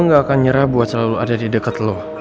gue ga akan nyerah buat selalu ada di deket lo